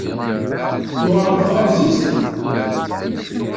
Tewɛer tefransist?